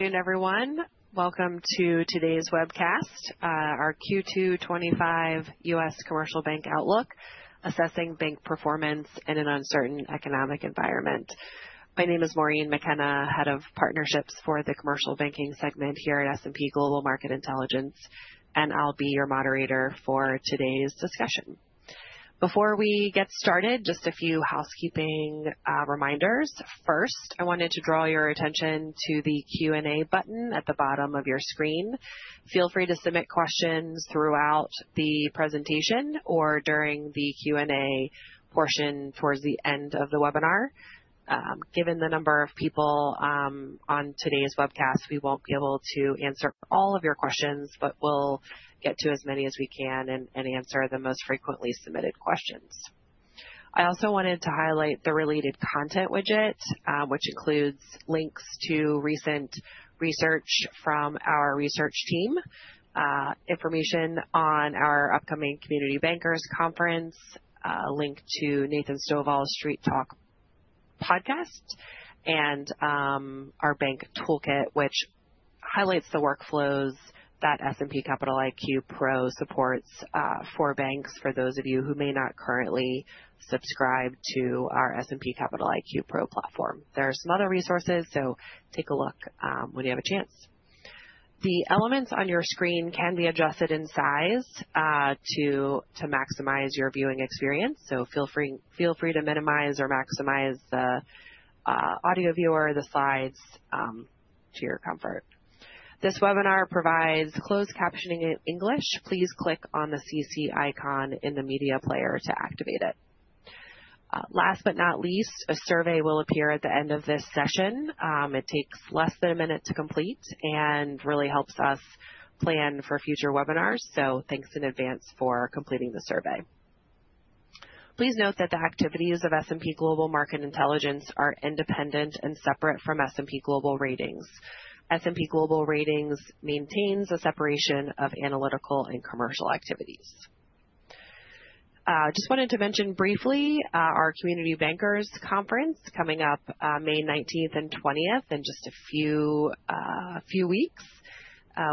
Good, everyone. Welcome to today's webcast, our Q2 2025 U.S. Commercial Bank Outlook, Assessing Bank Performance in an Uncertain Economic Environment. My name is Maureen McKenna, Head of Partnerships for the Commercial Banking segment here at S&P Global Market Intelligence, and I'll be your moderator for today's discussion. Before we get started, just a few housekeeping reminders. First, I wanted to draw your attention to the Q&A button at the bottom of your screen. Feel free to submit questions throughout the presentation or during the Q&A portion towards the end of the webinar. Given the number of people on today's webcast, we won't be able to answer all of your questions, but we'll get to as many as we can and answer the most frequently submitted questions. I also wanted to highlight the related content widget, which includes links to recent research from our research team, information on our upcoming Community Bankers Conference, a link to Nathan Stovall's Street Talk podcast, and our bank toolkit, which highlights the workflows that S&P Capital IQ Pro supports for banks, for those of you who may not currently subscribe to our S&P Capital IQ Pro platform. There are some other resources, so take a look when you have a chance. The elements on your screen can be adjusted in size to maximize your viewing experience, so feel free to minimize or maximize the audio view or the slides to your comfort. This webinar provides closed captioning in English. Please click on the CC icon in the media player to activate it. Last but not least, a survey will appear at the end of this session. It takes less than a minute to complete and really helps us plan for future webinars, so thanks in advance for completing the survey. Please note that the activities of S&P Global Market Intelligence are independent and separate from S&P Global Ratings. S&P Global Ratings maintains a separation of analytical and commercial activities. I just wanted to mention briefly our Community Bankers Conference coming up May 19th and 20th in just a few weeks.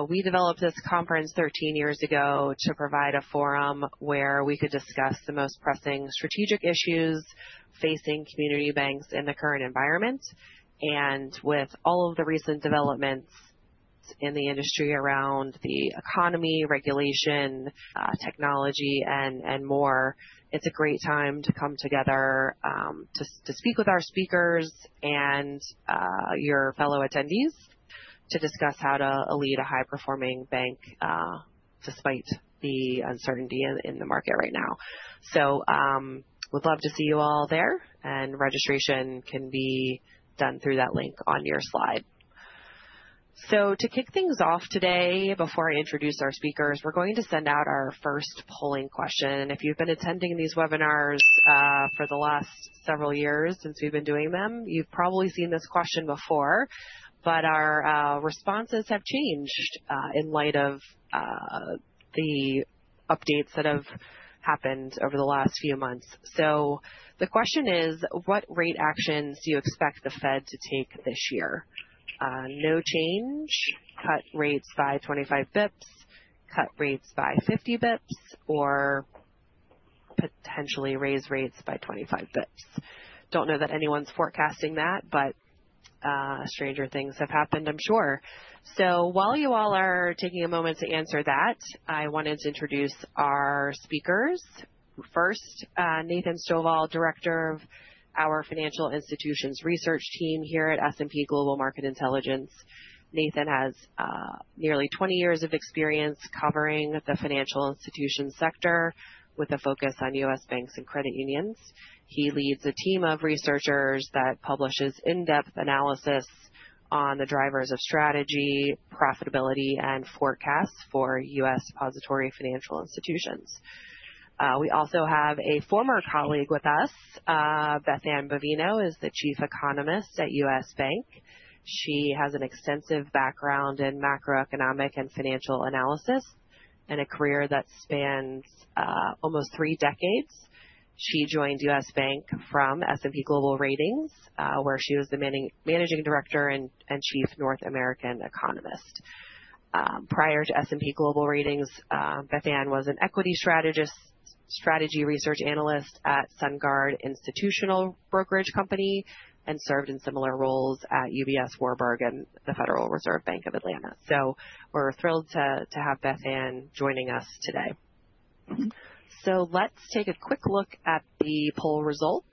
We developed this conference 13 years ago to provide a forum where we could discuss the most pressing strategic issues facing community banks in the current environment and with all of the recent developments in the industry around the economy, regulation, technology, and more, it's a great time to come together to speak with our speakers and your fellow attendees to discuss how to lead a high-performing bank despite the uncertainty in the market right now. So we'd love to see you all there, and registration can be done through that link on your slide, so to kick things off today, before I introduce our speakers, we're going to send out our first polling question, and if you've been attending these webinars for the last several years since we've been doing them, you've probably seen this question before, but our responses have changed in light of the updates that have happened over the last few months, so the question is, what rate actions do you expect the Fed to take this year? No change, cut rates by 25 basis points, cut rates by 50 basis points, or potentially raise rates by 25 basis points? Don't know that anyone's forecasting that, but stranger things have happened, I'm sure, so while you all are taking a moment to answer that, I wanted to introduce our speakers. First, Nathan Stovall, Director of our Financial Institutions Research Team here at S&P Global Market Intelligence. Nathan has nearly 20 years of experience covering the financial institution sector with a focus on U.S. banks and credit unions. He leads a team of researchers that publishes in-depth analysis on the drivers of strategy, profitability, and forecasts for U.S. depository financial institutions. We also have a former colleague with us. Beth Ann Bovino, is the Chief Economist at U.S. Bank. She has an extensive background in macroeconomic and financial analysis and a career that spans almost three decades. She joined U.S. Bank from S&P Global Ratings, where she was the Managing Director and Chief North American Economist. Prior to S&P Global Ratings, Beth Ann was an equity strategy research analyst at SunGard Institutional Brokerage Company and served in similar roles at UBS Warburg and the Federal Reserve Bank of Atlanta. So, we're thrilled to have Beth Ann joining us today. So, let's take a quick look at the poll results.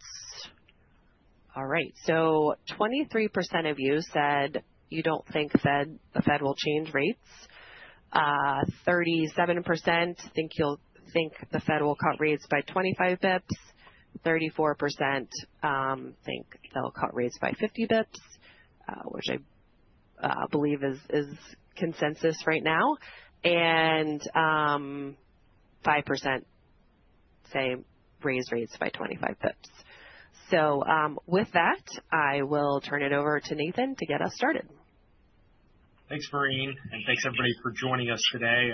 All right, so 23% of you said you don't think the Fed will change rates. 37% think the Fed will cut rates by 25 basis points. 34% think they'll cut rates by 50 basis points, which I believe is consensus right now. And 5% say raise rates by 25 basis points. So with that, I will turn it over to Nathan to get us started. Thanks, Maureen, and thanks, everybody, for joining us today.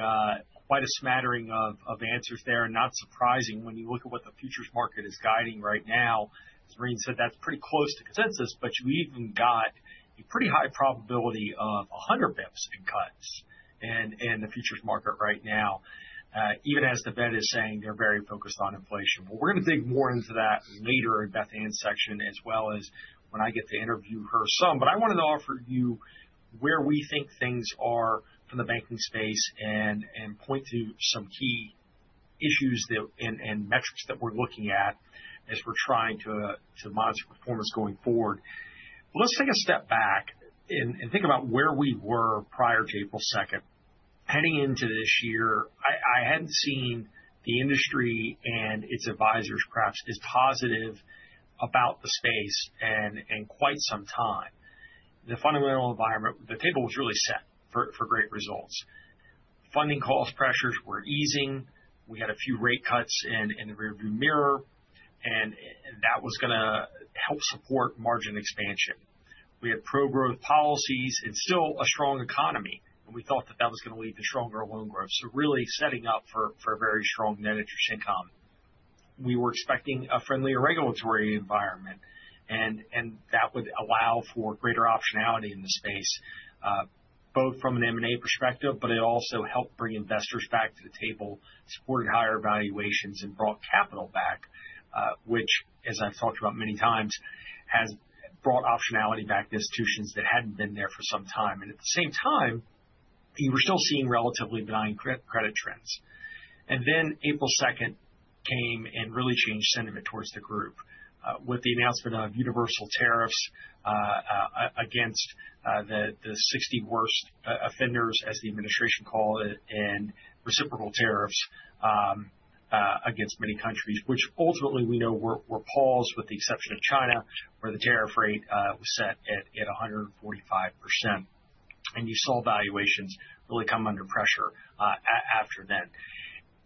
Quite a smattering of answers there, and not surprising when you look at what the futures market is guiding right now. As Maureen said, that's pretty close to consensus, but you even got a pretty high probability of 100 basis points in cuts in the futures market right now, even as the Fed is saying they're very focused on inflation. Well, we're going to dig more into that later in Beth Ann's section, as well as when I get to interview her some. But I wanted to offer you where we think things are from the banking space and point to some key issues and metrics that we're looking at as we're trying to monitor performance going forward. Let's take a step back and think about where we were prior to April 2nd. Heading into this year, I hadn't seen the industry and its advisors perhaps as positive about the space in quite some time. The fundamental environment, the table was really set for great results. Funding cost pressures were easing. We had a few rate cuts in the rearview mirror, and that was going to help support margin expansion. We had pro-growth policies and still a strong economy, and we thought that that was going to lead to stronger loan growth. So, really setting up for a very strong net interest income. We were expecting a friendlier regulatory environment, and that would allow for greater optionality in the space, both from an M&A perspective, but it also helped bring investors back to the table, supported higher valuations, and brought capital back, which, as I've talked about many times, has brought optionality back to institutions that hadn't been there for some time. At the same time, you were still seeing relatively benign credit trends. And then, April 2nd came and really changed sentiment towards the group with the announcement of universal tariffs against the 60 worst offenders, as the administration called it, and reciprocal tariffs against many countries, which ultimately we know were paused, with the exception of China, where the tariff rate was set at 145%. And you saw valuations really come under pressure after then.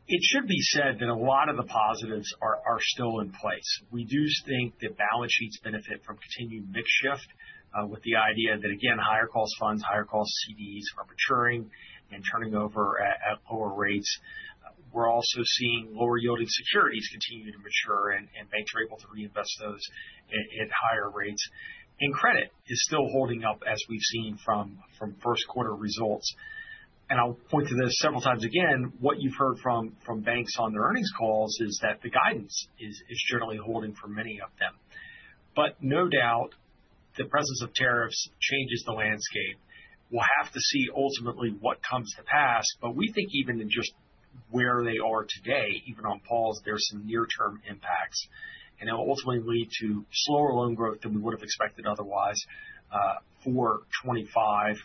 It should be said that a lot of the positives are still in place. We do think that balance sheets benefit from continued mixed shift with the idea that, again, higher cost funds, higher cost CDs are maturing and turning over at lower rates. We're also seeing lower yielding securities continue to mature, and banks are able to reinvest those at higher rates. Credit is still holding up, as we've seen from first quarter results. I'll point to this several times again. What you've heard from banks on their earnings calls is that the guidance is generally holding for many of them. No doubt, the presence of tariffs changes the landscape. We'll have to see ultimately what comes to pass, but we think even in just where they are today, even on pause, there are some near-term impacts, and it will ultimately lead to slower loan growth than we would have expected otherwise for 2025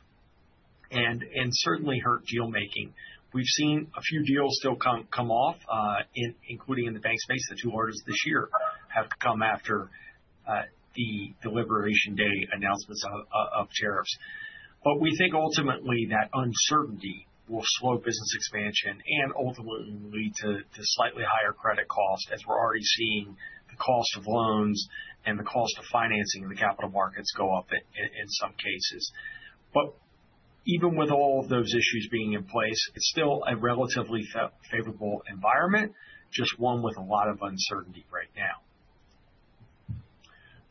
and certainly hurt deal-making. We've seen a few deals still come off, including in the bank space. The two largest this year have come after the election day announcements of tariffs. We think ultimately that uncertainty will slow business expansion and ultimately lead to slightly higher credit costs, as we're already seeing the cost of loans and the cost of financing in the capital markets go up in some cases. Even with all of those issues being in place, it's still a relatively favorable environment, just one with a lot of uncertainty right now.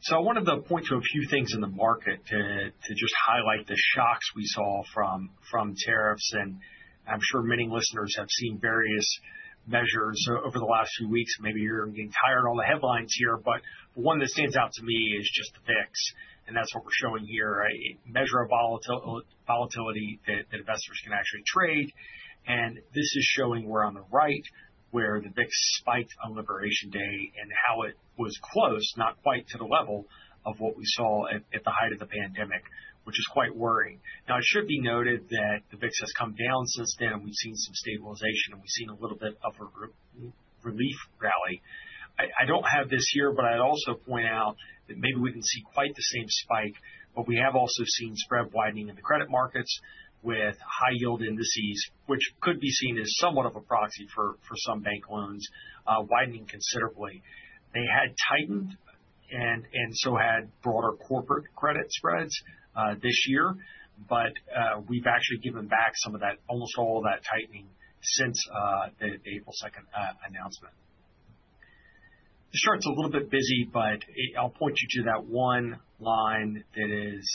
I wanted to point to a few things in the market to just highlight the shocks we saw from tariffs. I'm sure many listeners have seen various measures over the last few weeks. Maybe you're getting tired of all the headlines here, but one that stands out to me is just the VIX, and that's what we're showing here. Measure of volatility that investors can actually trade. This is showing we're on the right, where the VIX spiked on election day and how it was close, not quite to the level of what we saw at the height of the pandemic, which is quite worrying. Now, it should be noted that the VIX has come down since then, and we've seen some stabilization, and we've seen a little bit of a relief rally. I don't have this here, but I'd also point out that maybe we didn't see quite the same spike, but we have also seen spread widening in the credit markets with high yield indices, which could be seen as somewhat of a proxy for some bank loans widening considerably. They had tightened and so had broader corporate credit spreads this year, but we've actually given back some of that, almost all of that tightening since the April 2nd announcement. This chart's a little bit busy, but I'll point you to that one line that is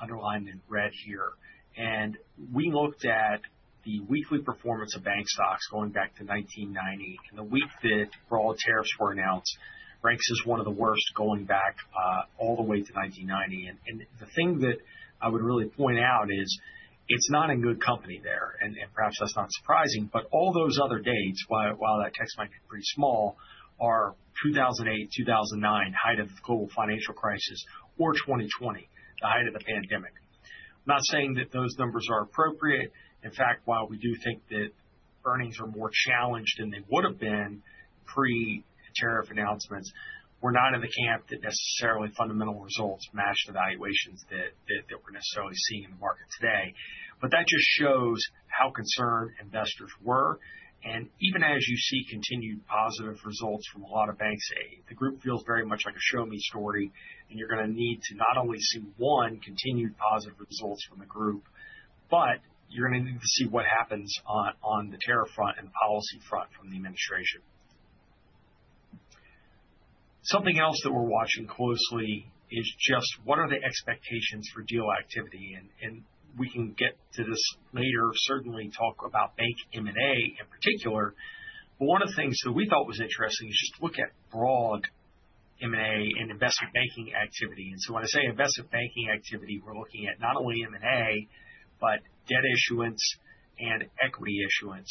underlined in red here, and we looked at the weekly performance of bank stocks going back to 1990, and the week that broad tariffs were announced, ranks as one of the worst going back all the way to 1990, and the thing that I would really point out is it's not a good company there, and perhaps that's not surprising, but all those other dates, while that text might be pretty small, are 2008, 2009, height of the global financial crisis, or 2020, the height of the pandemic. I'm not saying that those numbers are appropriate. In fact, while we do think that earnings are more challenged than they would have been pre-tariff announcements, we're not in the camp that necessarily fundamental results match the valuations that we're necessarily seeing in the market today. But that just shows how concerned investors were. And even as you see continued positive results from a lot of banks, the group feels very much like a show me story, and you're going to need to not only see one continued positive results from the group, but you're going to need to see what happens on the tariff front and policy front from the administration. Something else that we're watching closely is just what are the expectations for deal activity? And we can get to this later, certainly talk about bank M&A in particular. But one of the things that we thought was interesting is just to look at broad M&A and investment banking activity. And so, when I say investment banking activity, we're looking at not only M&A, but debt issuance and equity issuance.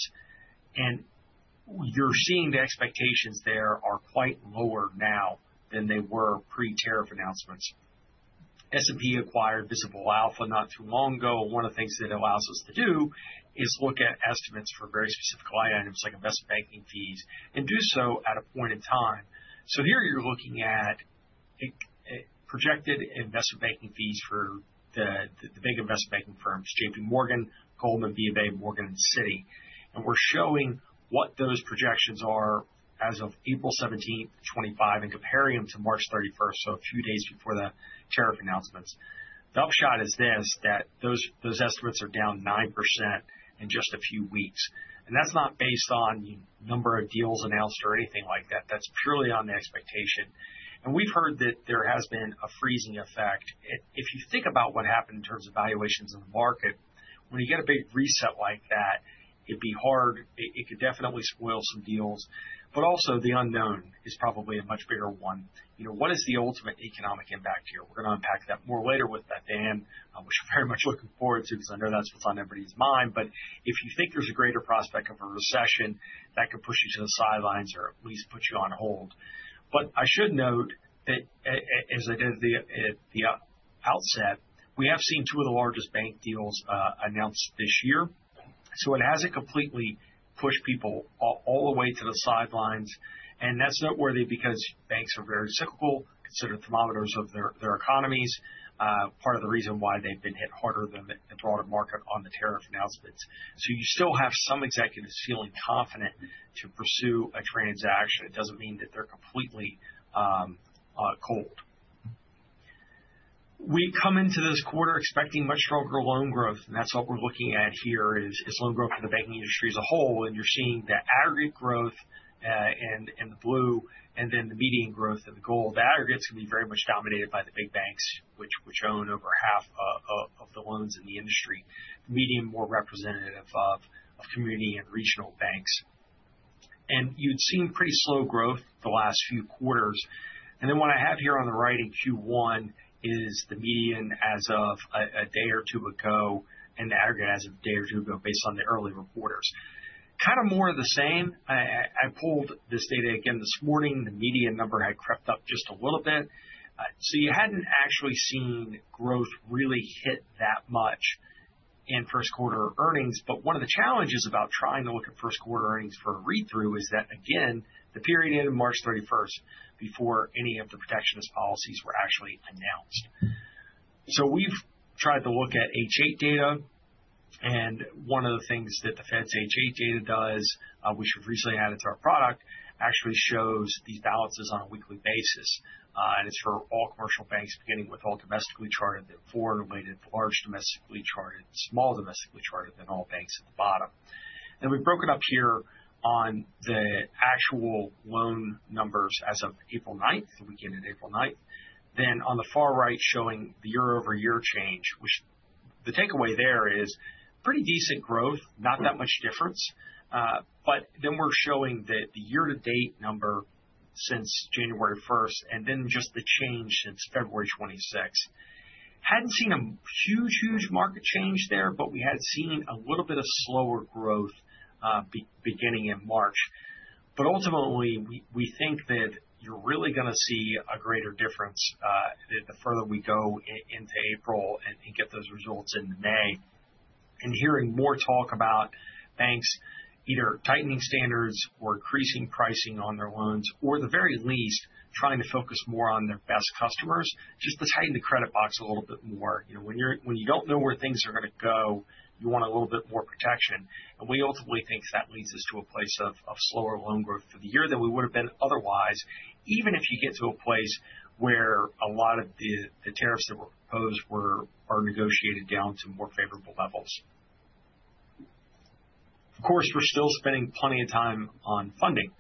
You're seeing the expectations there are quite lower now than they were pre-tariff announcements. S&P acquired Visible Alpha not too long ago. One of the things that it allows us to do is look at estimates for very specific line items like investment banking fees and do so at a point in time. Here you're looking at projected investment banking fees for the big investment banking firms, JPMorgan, Goldman, BNP, Morgan, and Citi. We're showing what those projections are as of April 17th, 2025, and comparing them to March 31st, so a few days before the tariff announcements. The upshot is this: that those estimates are down 9% in just a few weeks. That's not based on the number of deals announced or anything like that. That's purely on the expectation. We've heard that there has been a freezing effect. If you think about what happened in terms of valuations in the market, when you get a big reset like that, it'd be hard. It could definitely spoil some deals. But also the unknown is probably a much bigger one. What is the ultimate economic impact here? We're going to unpack that more later with Beth Ann, which I'm very much looking forward to because I know that's what's on everybody's mind. But if you think there's a greater prospect of a recession, that could push you to the sidelines or at least put you on hold. But I should note that, as I did at the outset, we have seen two of the largest bank deals announced this year. So,, it hasn't completely pushed people all the way to the sidelines. That's noteworthy because banks are very cyclical, considered thermometers of their economies, part of the reason why they've been hit harder than the broader market on the tariff announcements. You still have some executives feeling confident to pursue a transaction. It doesn't mean that they're completely cold. We come into this quarter expecting much stronger loan growth, and that's what we're looking at here is loan growth for the banking industry as a whole. You're seeing the aggregate growth in the blue and then the median growth in the gold. The aggregate's going to be very much dominated by the big banks, which own over half of the loans in the industry, median more representative of community and regional banks. You'd seen pretty slow growth the last few quarters. And then what I have here on the right in Q1 is the median as of a day or two ago, and the aggregate as of a day or two ago based on the early reports. Kind of more of the same. I pulled this data again this morning. The median number had crept up just a little bit. So, you hadn't actually seen growth really hit that much in first quarter earnings. But one of the challenges about trying to look at first quarter earnings for a read-through is that, again, the period ended March 31st before any of the protectionist policies were actually announced. So we've tried to look at H.8 data. And one of the things that the Fed's H.8 data does, which we've recently added to our product, actually shows these balances on a weekly basis. It's for all commercial banks, beginning with all domestically chartered and foreign-weighted, large domestically chartered, small domestically chartered, and all banks at the bottom. We've broken up here on the actual loan numbers as of April 9th, the weekend of April 9th. On the far right, showing the year-over-year change, the takeaway there is pretty decent growth, not that much difference. We're showing that the year-to-date number since January 1st and then just the change since February 26th. Hadn't seen a huge, huge market change there, but we had seen a little bit of slower growth beginning in March. Ultimately, we think that you're really going to see a greater difference the further we go into April and get those results in May. And hearing more talk about banks either tightening standards or increasing pricing on their loans, or at the very least trying to focus more on their best customers, just to tighten the credit box a little bit more. When you don't know where things are going to go, you want a little bit more protection. And we ultimately think that leads us to a place of slower loan growth for the year than we would have been otherwise, even if you get to a place where a lot of the tariffs that were proposed are negotiated down to more favorable levels. Of course, we're still spending plenty of time on funding.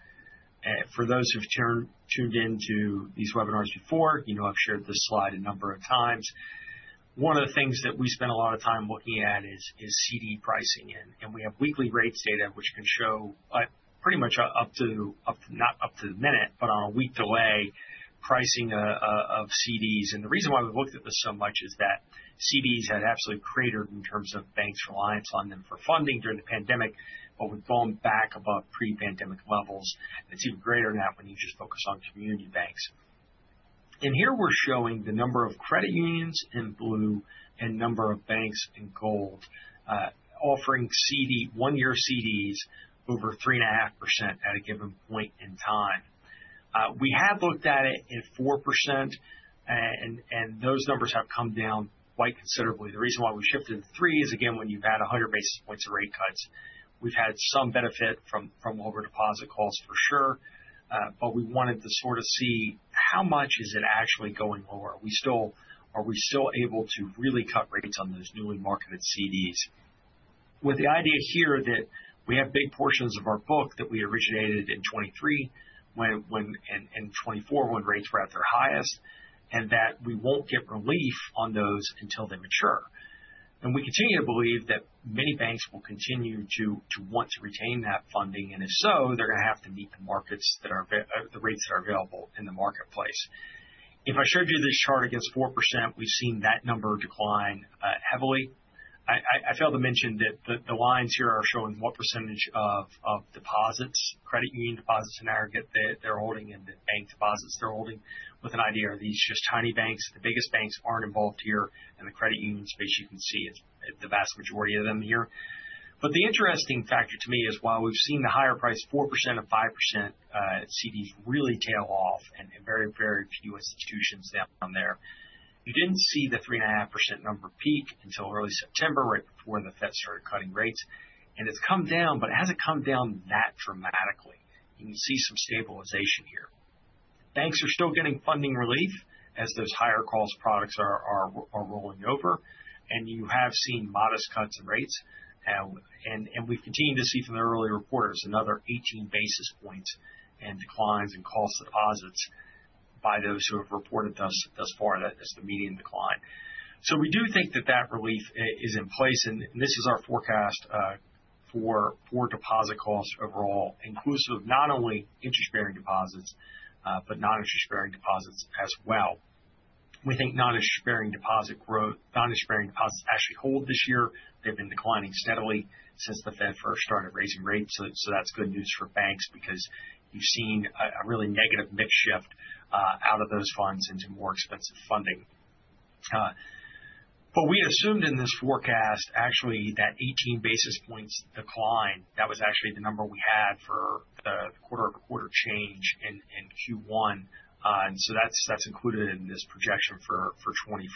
For those who've tuned into these webinars before, you know I've shared this slide a number of times. One of the things that we spend a lot of time looking at is CD pricing. We have weekly rates data, which can show pretty much up to, not up to the minute, but on a week delay, pricing of CDs. The reason why we've looked at this so much is that CDs had absolutely cratered in terms of banks' reliance on them for funding during the pandemic, but we've gone back above pre-pandemic levels. It's even greater now when you just focus on community banks. Here we're showing the number of credit unions in blue and number of banks in gold offering one-year CDs over 3.5% at a given point in time. We have looked at it at 4%, and those numbers have come down quite considerably. The reason why we shifted to three is, again, when you've had 100 basis points of rate cuts, we've had some benefit from over-deposit calls for sure. We wanted to sort of see how much is it actually going lower? Are we still able to really cut rates on those newly marketed CDs? With the idea here that we have big portions of our book that we originated in 2023 and 2024 when rates were at their highest, and that we won't get relief on those until they mature. We continue to believe that many banks will continue to want to retain that funding. And if so, they're going to have to meet the markets that are the rates that are available in the marketplace. If I showed you this chart against 4%, we've seen that number decline heavily. I failed to mention that the lines here are showing what percentage of deposits, credit union deposits, and aggregate that they're holding, and the bank deposits they're holding with an idea of these just tiny banks. The biggest banks aren't involved here, and the credit union space, you can see the vast majority of them here, but the interesting factor to me is while we've seen the higher price, 4% and 5% CDs really tail off, and very, very few institutions down there. You didn't see the 3.5% number peak until early September, right before the Fed started cutting rates, and it's come down, but it hasn't come down that dramatically. You can see some stabilization here. Banks are still getting funding relief as those higher cost products are rolling over, and you have seen modest cuts in rates, and we've continued to see from the early reporters another 18 basis points in declines in cost deposits by those who have reported thus far, and that's the median decline, so we do think that that relief is in place. This is our forecast for deposit costs overall, inclusive not only of interest-bearing deposits, but non-interest-bearing deposits as well. We think non-interest-bearing deposits actually hold this year. They've been declining steadily since the Fed first started raising rates. That's good news for banks because you've seen a really negative mix shift out of those funds into more expensive funding. We assumed in this forecast, actually, that 18 basis points decline, that was actually the number we had for the quarter-over-quarter change in Q1. That's included in this projection for 2025.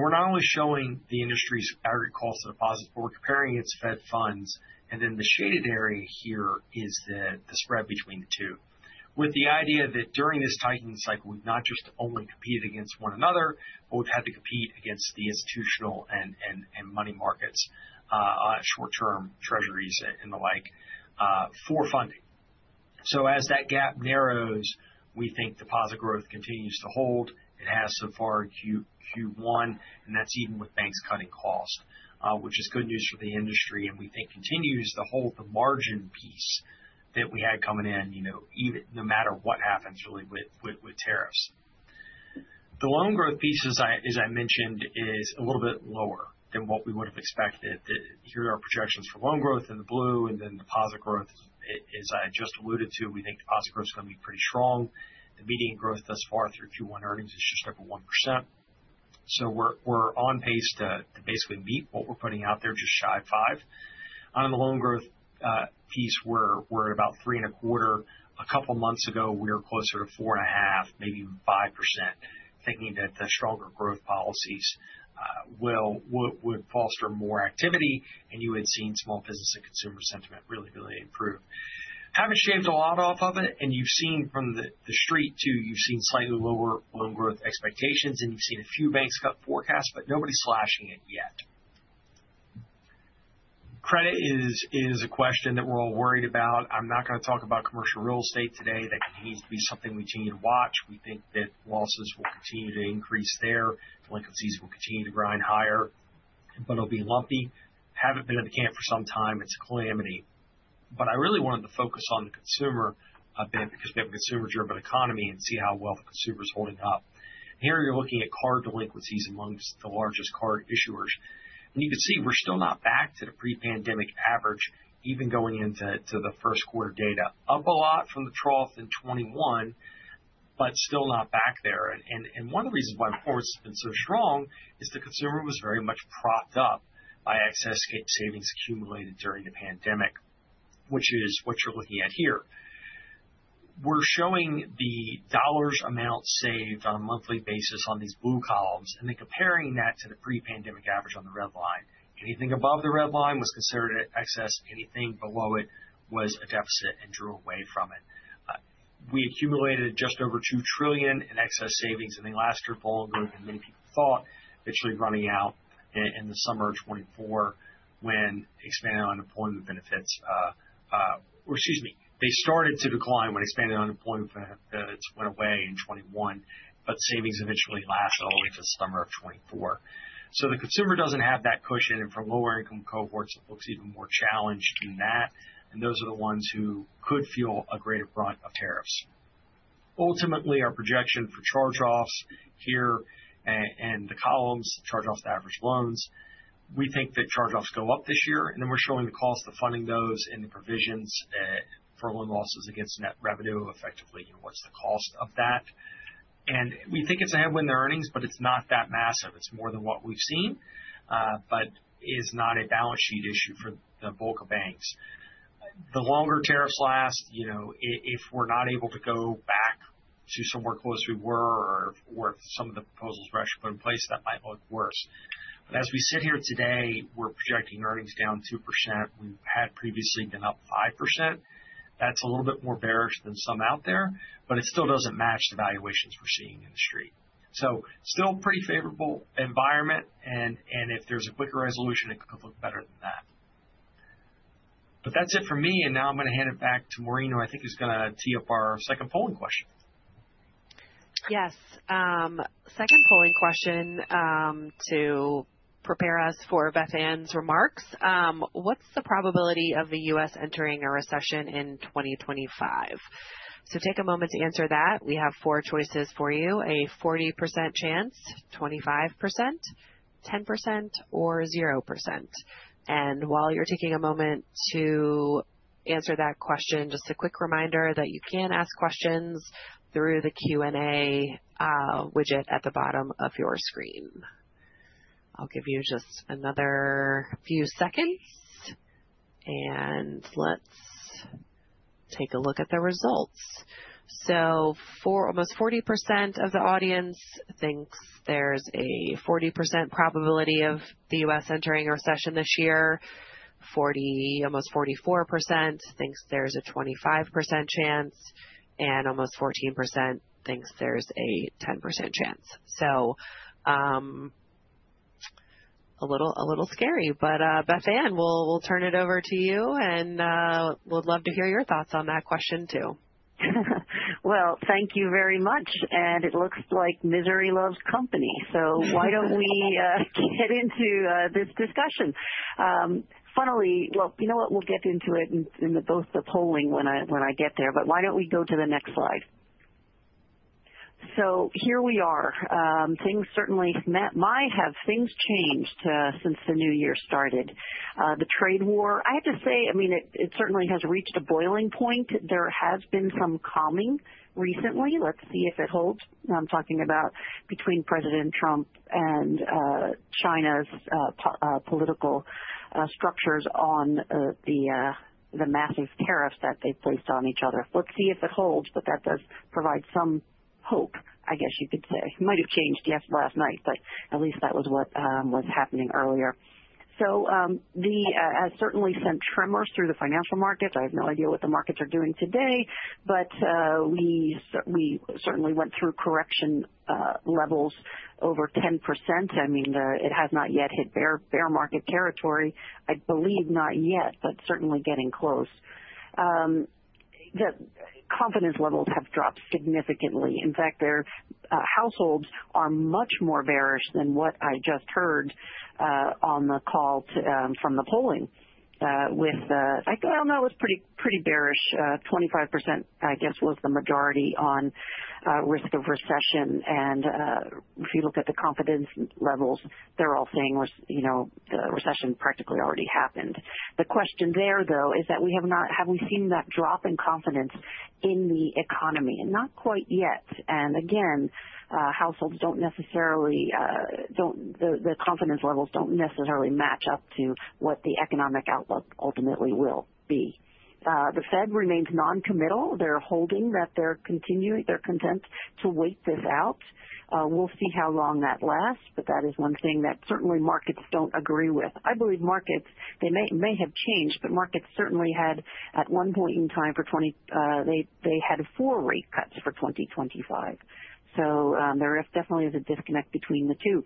We're not only showing the industry's aggregate cost of deposits, but we're comparing it to Fed funds. And then the shaded area here is the spread between the two, with the idea that during this tightening cycle, we've not just only competed against one another, but we've had to compete against the institutional and money markets, short-term treasuries and the like, for funding. So as that gap narrows, we think deposit growth continues to hold. It has so far in Q1, and that's even with banks cutting costs, which is good news for the industry, and we think continues to hold the margin piece that we had coming in, no matter what happens really with tariffs. The loan growth piece, as I mentioned, is a little bit lower than what we would have expected. Here are our projections for loan growth in the blue, and then deposit growth, as I just alluded to, we think deposit growth is going to be pretty strong. The median growth thus far through Q1 earnings is just over 1%. So we're on pace to basically meet what we're putting out there, just shy of 5%. On the loan growth piece, we're at about 3.25%. A couple of months ago, we were closer to 4.5%, maybe even 5%, thinking that the stronger growth policies would foster more activity, and you had seen small business and consumer sentiment really, really improve. Haven't shaved a lot off of it, and you've seen from the street too, you've seen slightly lower loan growth expectations, and you've seen a few banks cut forecasts, but nobody's slashing it yet. Credit is a question that we're all worried about. I'm not going to talk about commercial real estate today. That continues to be something we continue to watch. We think that losses will continue to increase there. Delinquencies will continue to grind higher, but it'll be lumpy. Haven't been at the camp for some time. It's a calamity. I really wanted to focus on the consumer a bit because we have a consumer-driven economy and see how well the consumer is holding up. Here you're looking at card delinquencies amongst the largest card issuers. You can see we're still not back to the pre-pandemic average, even going into the first quarter data, up a lot from the trough in 2021, but still not back there. One of the reasons why performance has been so strong is the consumer was very much propped up by excess savings accumulated during the pandemic, which is what you're looking at here. We're showing the dollar amount saved on a monthly basis on these blue columns, and then comparing that to the pre-pandemic average on the red line. Anything above the red line was considered excess. Anything below it was a deficit and drew away from it. We accumulated just over $2 trillion in excess savings, and they lasted all year long, and many people thought, eventually running out in the summer of 2024 when expanded unemployment benefits, or excuse me, they started to decline when expanded unemployment benefits went away in 2021, but savings eventually lasted all the way to the summer of 2024. So the consumer doesn't have that cushion, and for lower-income cohorts, it looks even more challenged than that. And those are the ones who could feel a greater brunt of tariffs. Ultimately, our projection for charge-offs here in the columns, charge-offs to average loans, we think that charge-offs go up this year. And then we're showing the cost of funding those and the provisions for loan losses against net revenue, effectively. What's the cost of that? We think it's a headwind to earnings, but it's not that massive. It's more than what we've seen, but it is not a balance sheet issue for the bulk of banks. The longer tariffs last, if we're not able to go back to somewhere close we were or if some of the proposals were actually put in place, that might look worse. But as we sit here today, we're projecting earnings down 2%. We had previously been up 5%. That's a little bit more bearish than some out there, but it still doesn't match the valuations we're seeing in the street. So still pretty favorable environment, and if there's a quicker resolution, it could look better than that. But that's it for me. Now I'm going to hand it back to Maureen, who I think is going to tee up our second polling question. Yes. Second polling question to prepare us for Beth Ann's remarks. What's the probability of the U.S. entering a recession in 2025? So take a moment to answer that. We have four choices for you: a 40% chance, 25%, 10%, or 0%. And while you're taking a moment to answer that question, just a quick reminder that you can ask questions through the Q&A widget at the bottom of your screen. I'll give you just another few seconds, and let's take a look at the results. So almost 40% of the audience thinks there's a 40% probability of the U.S. entering a recession this year. Almost 44% think there's a 25% chance, and almost 14% think there's a 10% chance. So a little scary, but Beth Ann, we'll turn it over to you, and we'd love to hear your thoughts on that question, too. Well, thank you very much. And it looks like misery loves company. So why don't we get into this discussion? Funnily, well, you know what? We'll get into it in both the polling when I get there, but why don't we go to the next slide? So here we are. Things certainly might have changed since the new year started. The trade war, I have to say, I mean, it certainly has reached a boiling point. There has been some calming recently. Let's see if it holds. I'm talking about between President Trump and China's political structures on the massive tariffs that they placed on each other. Let's see if it holds, but that does provide some hope, I guess you could say. It might have changed, yes, last night, but at least that was what was happening earlier. So it has certainly sent tremors through the financial markets. I have no idea what the markets are doing today, but we certainly went through correction levels over 10%. I mean, it has not yet hit bear market territory. I believe not yet, but certainly getting close. The confidence levels have dropped significantly. In fact, households are much more bearish than what I just heard on the call from the polling with the. Well, no, it was pretty bearish. 25%, I guess, was the majority on risk of recession. And if you look at the confidence levels, they're all saying the recession practically already happened. The question there, though, is that we have not, have we seen that drop in confidence in the economy? Not quite yet. And again, households don't necessarily, the confidence levels don't necessarily match up to what the economic outlook ultimately will be. The Fed remains non-committal. They're holding that they're content to wait this out. We'll see how long that lasts, but that is one thing that certainly markets don't agree with. I believe markets, they may have changed, but markets certainly had at one point in time for 20, they had four rate cuts for 2025. So there definitely is a disconnect between the two.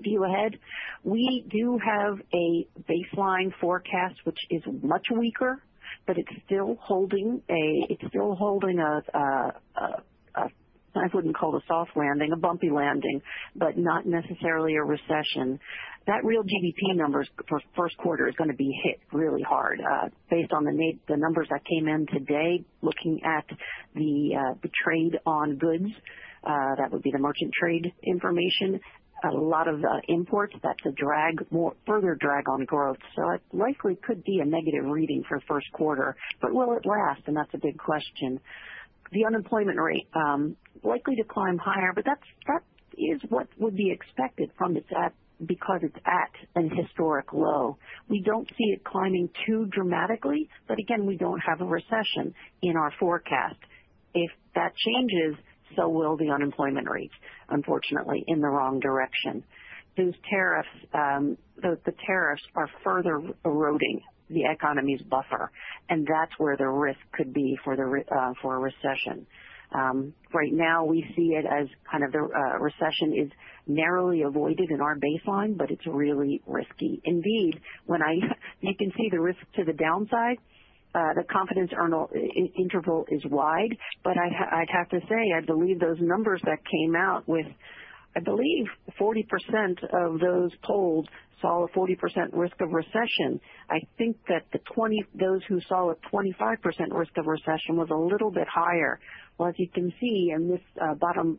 View ahead, we do have a baseline forecast, which is much weaker, but it's still holding a, I wouldn't call it a soft landing, a bumpy landing, but not necessarily a recession. That real GDP number for first quarter is going to be hit really hard. Based on the numbers that came in today, looking at the trade on goods, that would be the merchandise trade information, a lot of imports, that's a drag, further drag on growth. So, it likely could be a negative reading for first quarter, but will it last? And that's a big question. The unemployment rate likely to climb higher, but that is what would be expected from it because it's at a historic low. We don't see it climbing too dramatically, but again, we don't have a recession in our forecast. If that changes, so will the unemployment rates, unfortunately, in the wrong direction. Those tariffs, the tariffs are further eroding the economy's buffer, and that's where the risk could be for a recession. Right now, we see it as kind of the recession is narrowly avoided in our baseline, but it's really risky. Indeed, when you can see the risk to the downside, the confidence interval is wide, but I'd have to say I believe those numbers that came out with. I believe 40% of those polled saw a 40% risk of recession. I think that those who saw a 25% risk of recession was a little bit higher. As you can see in this bottom,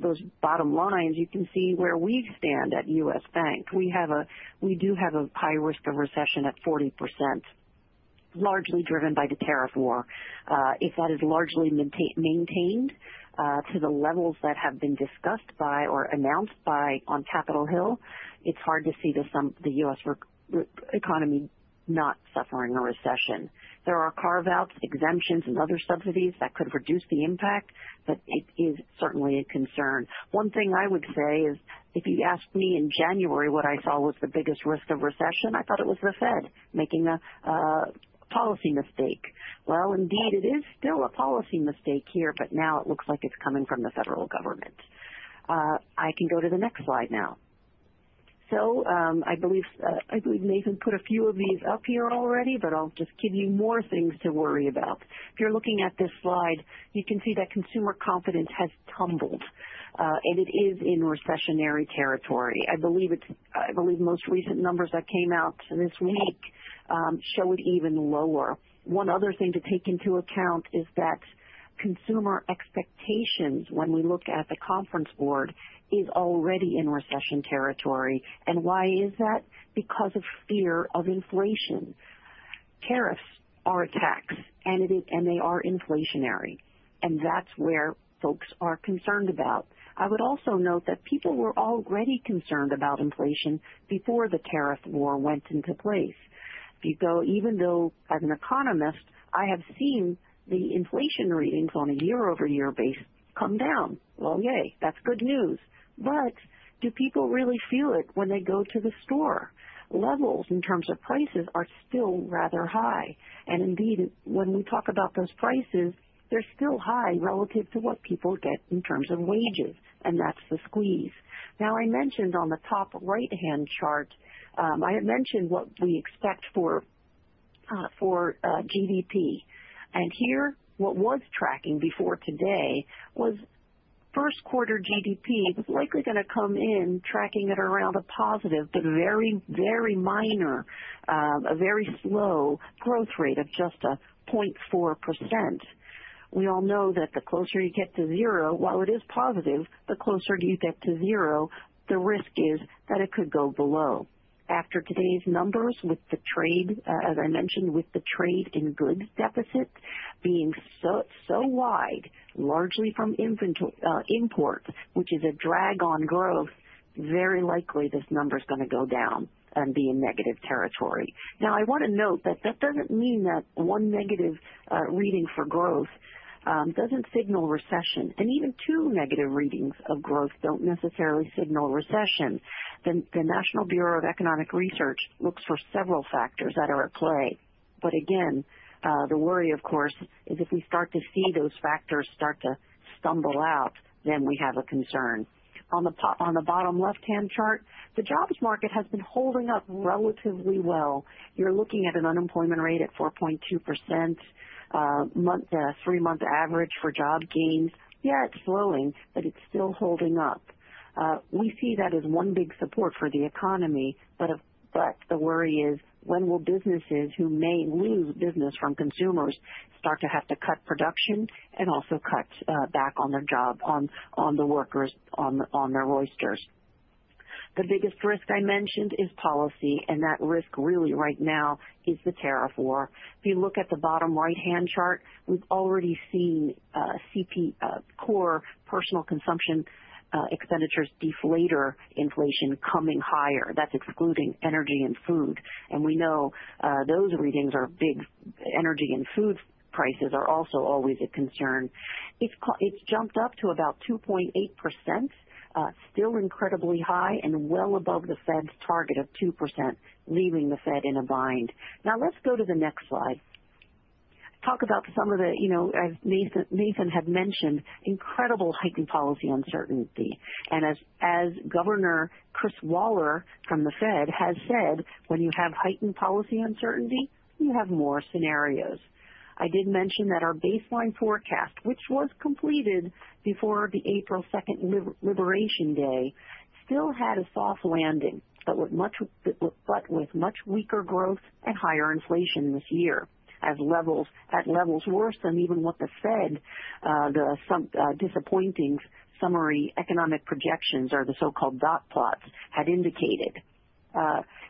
those bottom lines, you can see where we stand at U.S. Bank. We do have a high risk of recession at 40%, largely driven by the tariff war. If that is largely maintained to the levels that have been discussed by or announced by on Capitol Hill, it's hard to see the U.S. economy not suffering a recession. There are carve-outs, exemptions, and other subsidies that could reduce the impact, but it is certainly a concern. One thing I would say is if you asked me in January what I saw was the biggest risk of recession, I thought it was the Fed making a policy mistake. Well, indeed, it is still a policy mistake here, but now it looks like it's coming from the federal government. I can go to the next slide now. So I believe Nathan put a few of these up here already, but I'll just give you more things to worry about. If you're looking at this slide, you can see that consumer confidence has tumbled, and it is in recessionary territory. I believe most recent numbers that came out this week show it even lower. One other thing to take into account is that consumer expectations when we look at the Conference Board is already in recession territory. And why is that? Because of fear of inflation. Tariffs are a tax, and they are inflationary, and that's where folks are concerned about. I would also note that people were already concerned about inflation before the tariff war went into place. Even though, as an economist, I have seen the inflation readings on a year-over-year basis come down. Well, yay. That's good news, but do people really feel it when they go to the store? Levels in terms of prices are still rather high, and indeed, when we talk about those prices, they're still high relative to what people get in terms of wages, and that's the squeeze. Now, I mentioned on the top right-hand chart, I had mentioned what we expect for GDP. Here, what was tracking before today was first quarter GDP was likely going to come in tracking at around a positive, but very, very minor, a very slow growth rate of just a 0.4%. We all know that the closer you get to zero, while it is positive, the closer you get to zero, the risk is that it could go below. After today's numbers with the trade, as I mentioned, with the trade in goods deficit being so wide, largely from imports, which is a drag on growth, very likely this number is going to go down and be in negative territory. Now, I want to note that that doesn't mean that one negative reading for growth doesn't signal recession. Even two negative readings of growth don't necessarily signal recession. The National Bureau of Economic Research looks for several factors that are at play. But again, the worry, of course, is if we start to see those factors start to stumble out, then we have a concern. On the bottom left-hand chart, the jobs market has been holding up relatively well. You're looking at an unemployment rate at 4.2%, three-month average for job gains. Yeah, it's slowing, but it's still holding up. We see that as one big support for the economy, but the worry is when will businesses who may lose business from consumers start to have to cut production and also cut back on their job, on the workers, on their rosters? The biggest risk I mentioned is policy, and that risk really right now is the tariff war. If you look at the bottom right-hand chart, we've already seen Core Personal Consumption Expenditures deflator inflation coming higher. That's excluding energy and food. And we know those readings are big. Energy and food prices are also always a concern. It's jumped up to about 2.8%, still incredibly high and well above the Fed's target of 2%, leaving the Fed in a bind. Now, let's go to the next slide. Talk about some of the, as Nathan had mentioned, incredible heightened policy uncertainty. And as Governor Chris Waller from the Fed has said, when you have heightened policy uncertainty, you have more scenarios. I did mention that our baseline forecast, which was completed before the April 2nd liberation day, still had a soft landing, but with much weaker growth and higher inflation this year. At levels worse than even what the Fed, the disappointing Summary Economic Projections or the so-called dot plots had indicated.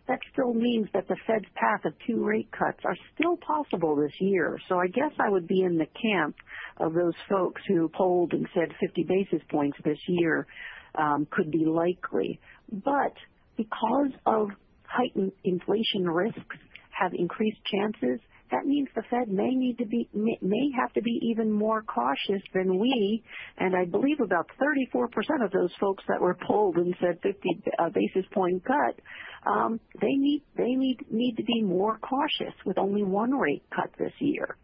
That still means that the Fed's path of two rate cuts are still possible this year. I guess I would be in the camp of those folks who polled and said 50 basis points this year could be likely. But because of heightened inflation risks have increased chances, that means the Fed may need to be, may have to be even more cautious than we. And I believe about 34% of those folks that were polled and said 50 basis point cut, they need to be more cautious with only one rate cut this year.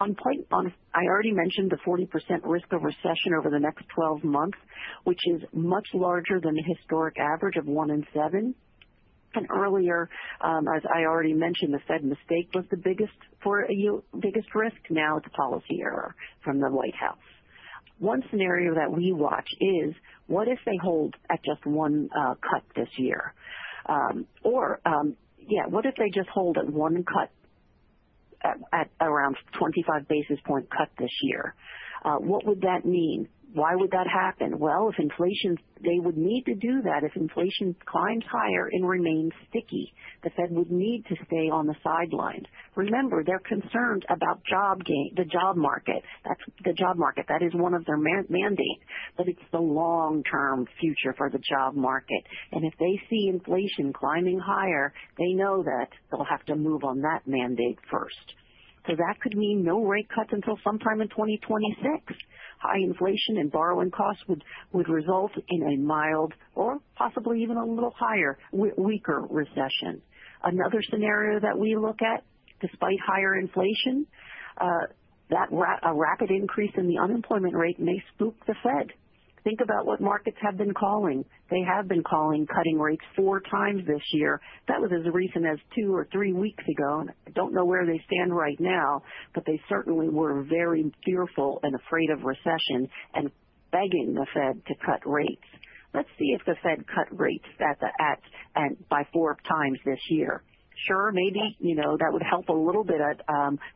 I already mentioned the 40% risk of recession over the next 12 months, which is much larger than the historic average of one in seven. And earlier, as I already mentioned, the Fed mistake was the biggest risk. Now it's a policy error from the White House. One scenario that we watch is what if they hold at just one cut this year? Or, yeah, what if they just hold at one cut, at around 25 basis point cut this year? What would that mean? Why would that happen? Well, if inflation, they would need to do that. If inflation climbs higher and remains sticky, the Fed would need to stay on the sidelines. Remember, they're concerned about the job market. The job market, that is one of their mandates, but it's the long-term future for the job market. And if they see inflation climbing higher, they know that they'll have to move on that mandate first. So that could mean no rate cuts until sometime in 2026. High inflation and borrowing costs would result in a mild or possibly even a little higher, weaker recession. Another scenario that we look at, despite higher inflation, that a rapid increase in the unemployment rate may spook the Fed. Think about what markets have been calling. They have been calling cutting rates four times this year. That was as recent as two or three weeks ago. I don't know where they stand right now, but they certainly were very fearful and afraid of recession and begging the Fed to cut rates. Let's see if the Fed cut rates by four times this year. Sure, maybe that would help a little bit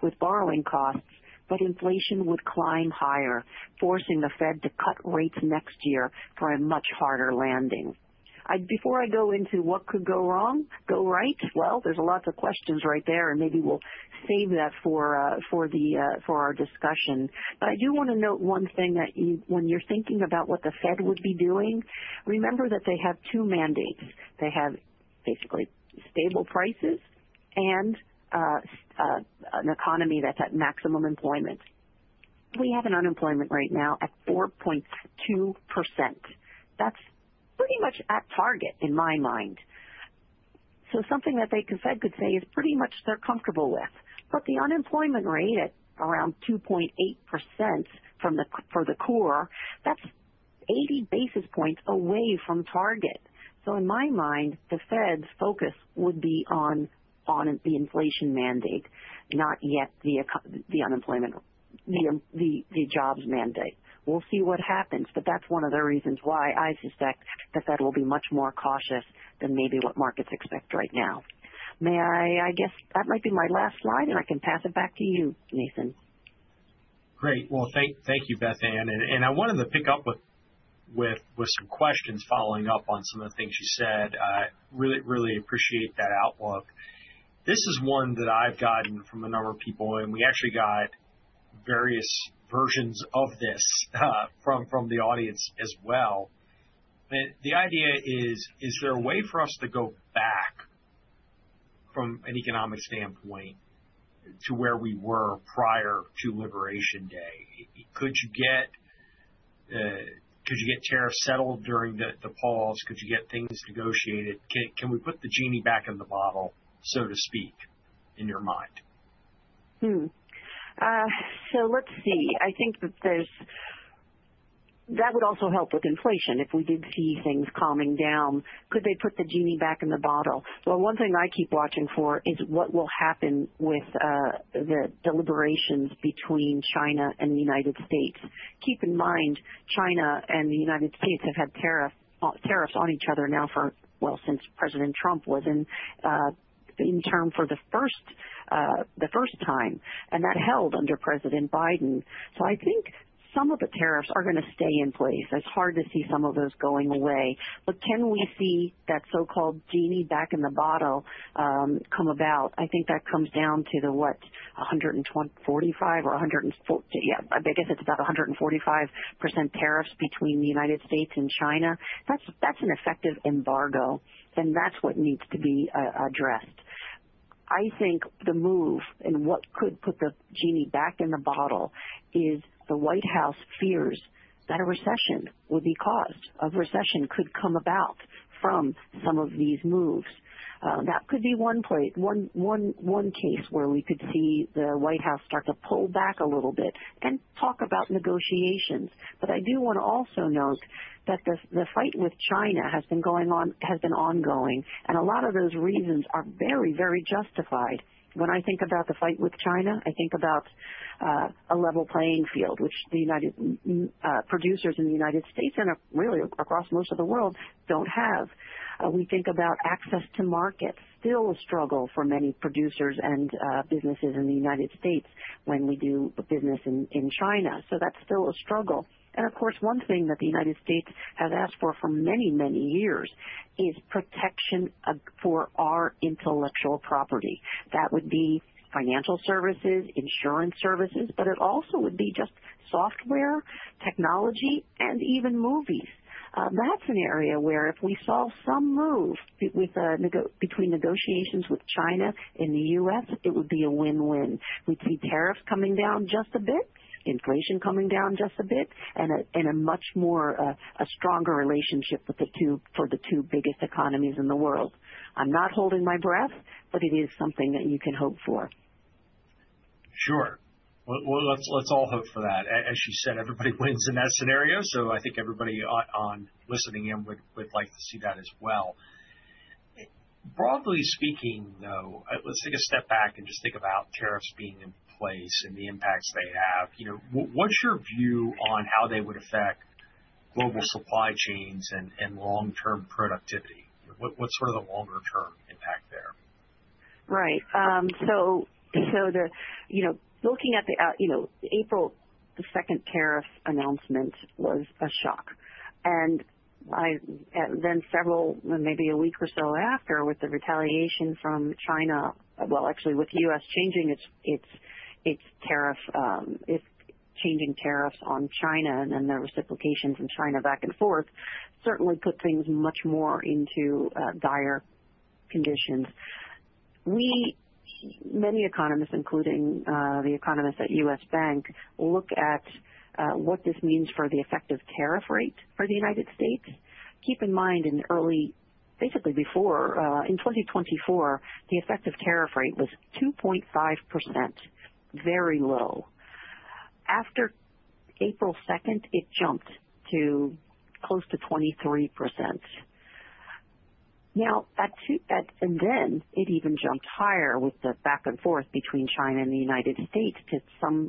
with borrowing costs, but inflation would climb higher, forcing the Fed to cut rates next year for a much harder landing. Before I go into what could go wrong, go right, well, there's lots of questions right there, and maybe we'll save that for our discussion. But I do want to note one thing, that when you're thinking about what the Fed would be doing, remember that they have two mandates. They have basically stable prices and an economy that's at maximum employment. We have an unemployment rate now at 4.2%. That's pretty much at target in my mind. So something that the Fed could say is pretty much they're comfortable with. But the unemployment rate at around 2.8% for the core, that's 80 basis points away from target. So in my mind, the Fed's focus would be on the inflation mandate, not yet the unemployment, the jobs mandate. We'll see what happens, but that's one of the reasons why I suspect the Fed will be much more cautious than maybe what markets expect right now. May I, I guess that might be my last slide, and I can pass it back to you, Nathan. Great. Well, thank you, Beth Ann. And I wanted to pick up with some questions following up on some of the things you said. Really, really appreciate that outlook. This is one that I've gotten from a number of people, and we actually got various versions of this from the audience as well. The idea is, is there a way for us to go back from an economic standpoint to where we were prior to Liberation day? Could you get tariffs settled during the pause? Could you get things negotiated? Can we put the genie back in the bottle, so to speak, in your mind? So let's see. I think that there's that would also help with inflation if we did see things calming down. Could they put the genie back in the bottle? Well, one thing I keep watching for is what will happen with the deliberations between China and the United States. Keep in mind, China and the United States have had tariffs on each other now for, well, since President Trump was in office for the first time, and that held under President Biden. So I think some of the tariffs are going to stay in place. It's hard to see some of those going away. But can we see that so-called genie back in the bottle come about? I think that comes down to the what, 145 or 140, yeah, I guess it's about 145% tariffs between the United States and China. That's an effective embargo, and that's what needs to be addressed. I think the move and what could put the genie back in the bottle is the White House fears that a recession would be caused, a recession could come about from some of these moves. That could be one case where we could see the White House start to pull back a little bit and talk about negotiations. But I do want to also note that the fight with China has been ongoing, and a lot of those reasons are very, very justified. When I think about the fight with China, I think about a level playing field, which the producers in the United States and really across most of the world don't have. We think about access to market, still a struggle for many producers and businesses in the United States when we do business in China. So that's still a struggle. And of course, one thing that the United States has asked for for many, many years is protection for our intellectual property. That would be financial services, insurance services, but it also would be just software, technology, and even movies. That's an area where if we saw some move between negotiations with China and the U.S., it would be a win-win. We'd see tariffs coming down just a bit, inflation coming down just a bit, and a much stronger relationship for the two biggest economies in the world. I'm not holding my breath, but it is something that you can hope for. Sure. Well, let's all hope for that. As you said, everybody wins in that scenario. So I think everybody listening in would like to see that as well. Broadly speaking, though, let's take a step back and just think about tariffs being in place and the impacts they have. What's your view on how they would affect global supply chains and long-term productivity? What's sort of the longer-term impact there? Right. So looking at the April 2nd tariff announcement was a shock. And then several, maybe a week or so after, with the retaliation from China, well, actually with the U.S. changing its tariffs on China and then the reciprocation from China back and forth, certainly put things much more into dire conditions. Many economists, including the economists at U.S. Bank, look at what this means for the effective tariff rate for the United States. Keep in mind, in early, basically before, in 2024, the effective tariff rate was 2.5%, very low. After April 2nd, it jumped to close to 23%. Now, and then it even jumped higher with the back and forth between China and the United States,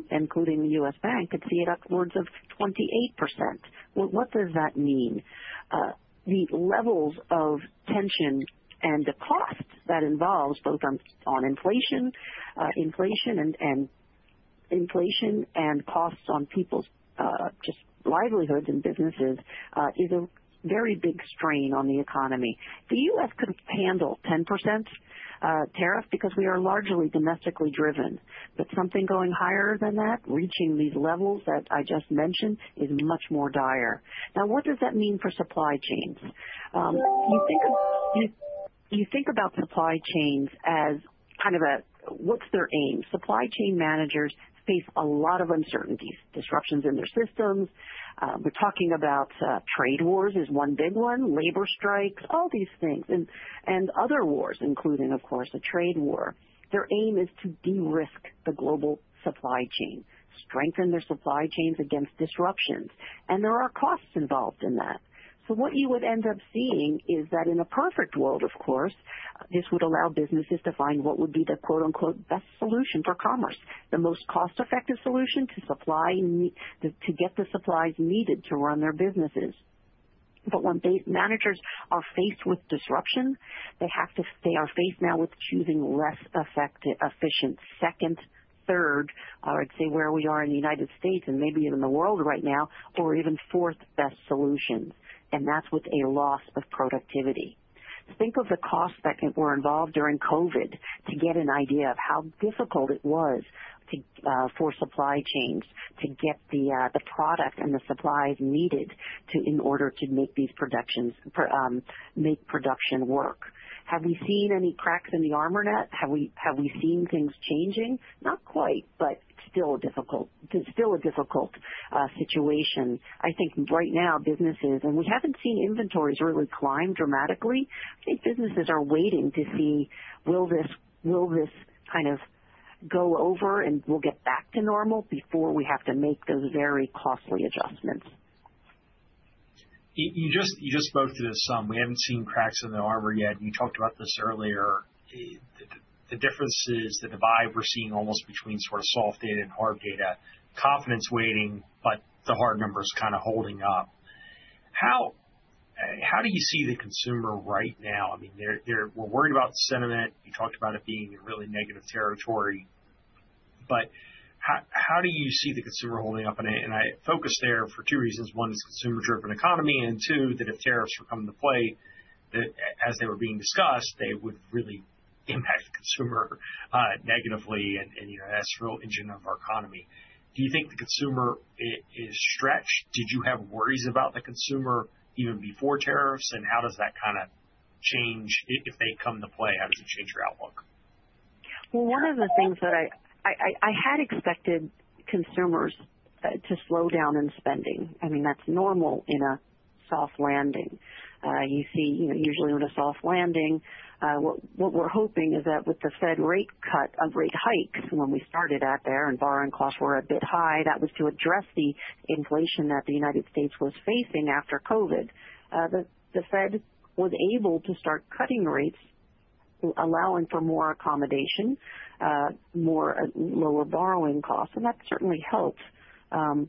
including the U.S. Bank, could see it upwards of 28%. What does that mean? The levels of tension and the cost that involves both on inflation and costs on people's just livelihoods and businesses is a very big strain on the economy. The U.S. could handle 10% tariff because we are largely domestically driven, but something going higher than that, reaching these levels that I just mentioned, is much more dire. Now, what does that mean for supply chains? You think about supply chains as kind of a, what's their aim? Supply chain managers face a lot of uncertainties, disruptions in their systems. We're talking about trade wars is one big one, labor strikes, all these things, and other wars, including, of course, a trade war. Their aim is to de-risk the global supply chain, strengthen their supply chains against disruptions, and there are costs involved in that. So what you would end up seeing is that in a perfect world, of course, this would allow businesses to find what would be the "best solution" for commerce, the most cost-effective solution to get the supplies needed to run their businesses. But when managers are faced with disruption, they are faced now with choosing less efficient second, third, I would say where we are in the United States and maybe even the world right now, or even fourth best solutions. And that's with a loss of productivity. Think of the costs that were involved during COVID to get an idea of how difficult it was for supply chains to get the product and the supplies needed in order to make production work. Have we seen any cracks in the armor yet? Have we seen things changing? Not quite, but still a difficult situation. I think right now, businesses, and we haven't seen inventories really climb dramatically. I think businesses are waiting to see, will this kind of go over and we'll get back to normal before we have to make those very costly adjustments. You just spoke to this. We haven't seen cracks in the armor yet. You talked about this earlier. The differences, the divide we're seeing almost between sort of soft data and hard data, confidence waning, but the hard numbers kind of holding up. How do you see the consumer right now? I mean, we're worried about the sentiment. You talked about it being in really negative territory. But how do you see the consumer holding up, and I focus there for two reasons. One is consumer-driven economy, and two, that if tariffs were come into play, as they were being discussed, they would really impact the consumer negatively and as real engine of our economy. Do you think the consumer is stretched? Did you have worries about the consumer even before tariffs? And how does that kind of change if they come into play? How does it change your outlook? Well, one of the things that I had expected consumers to slow down in spending. I mean, that's normal in a soft landing. You see, usually in a soft landing, what we're hoping is that with the Fed rate cut, rate hikes when we started out there and borrowing costs were a bit high, that was to address the inflation that the United States was facing after COVID. The Fed was able to start cutting rates, allowing for more accommodation, lower borrowing costs. And that certainly helped, but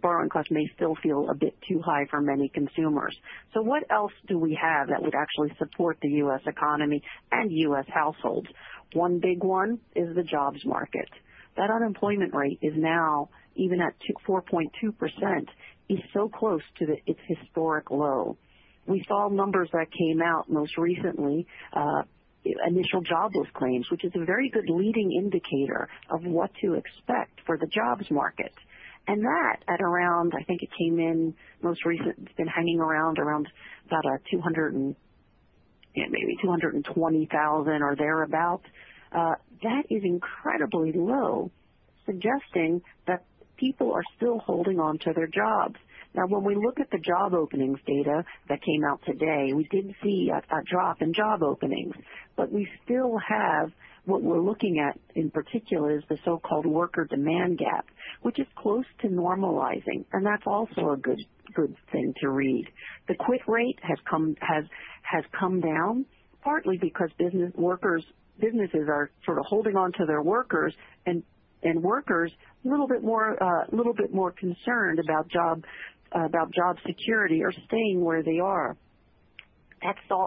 borrowing costs may still feel a bit too high for many consumers. So what else do we have that would actually support the U.S. economy and U.S. households? One big one is the jobs market. That unemployment rate is now even at 4.2%, is so close to its historic low. We saw numbers that came out most recently, initial jobless claims, which is a very good leading indicator of what to expect for the jobs market. And that at around, I think it came in most recent, it's been hanging around about 220,000 or thereabouts. That is incredibly low, suggesting that people are still holding on to their jobs. Now, when we look at the job openings data that came out today, we did see a drop in job openings, but we still have what we're looking at in particular is the so-called worker demand gap, which is close to normalizing. And that's also a good thing to read. The quit rate has come down partly because businesses are sort of holding on to their workers and workers a little bit more concerned about job security or staying where they are.